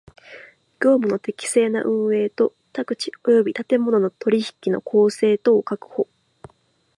業務の適正な運営と宅地及び建物の取引の公正とを確保